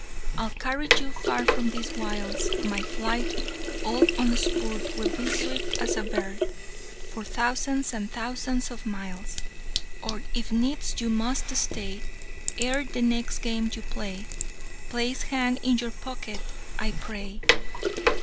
I'll carry you far from these wiles My flight, all unspurr'd, will be swift as a bird, For thousands and thousands of miles! Or if needs you must stay; ere the next game you play, Place hand in your pocket, I pray!"